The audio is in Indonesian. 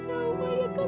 saya kembalu ya